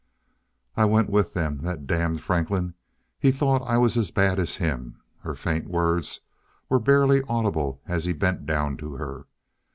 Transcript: "I went with them that damned Franklin he thought I was as bad as him " Her faint words were barely audible as he bent down to her.